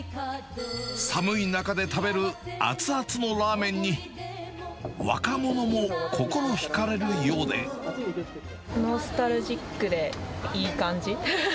寒い中で食べる熱々のラーメンに、ノスタルジックでいい感じ。